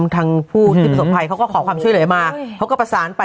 ทางผู้ที่ประสบภัยเขาก็ขอความช่วยเหลือมาเขาก็ประสานไป